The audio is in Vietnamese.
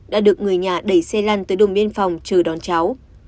đã được người nhà đẩy xe lăn tới đồn biên phòng chờ đón cháu